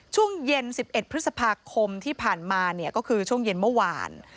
ช่วงเย็น๑๑พฤษภาคมที่ผ่านมาเนี่ยก็คือช่วงเย็นเมื่อวาน